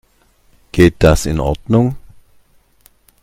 Geht das in Ordnung?